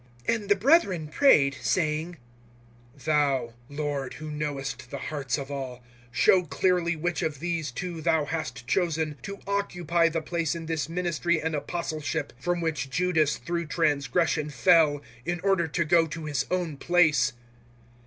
001:024 And the brethren prayed, saying, "Thou, Lord, who knowest the hearts of all, show clearly which of these two Thou hast chosen 001:025 to occupy the place in this ministry and Apostleship from which Judas through transgression fell, in order to go to his own place."